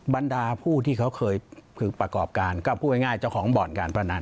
บรรดาผู้ที่เขาเคยประกอบการก็พูดง่ายเจ้าของบ่อนการพนัน